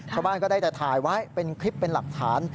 ก็ได้แต่ถ่ายไว้เป็นคลิปเป็นหลักฐาน